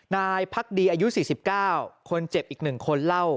นายพักดีอายุ๔๙คนเจ็บอีกหนึ่งคนเล่า